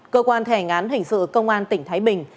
cơ quan thi hành án hình sự công an tỉnh thái bình